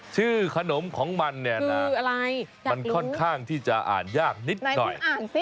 ชื่อขนมของมันเนี่ยค่อนข้างที่จะอ่านยากนิดค่อย